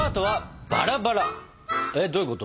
えっどういうこと？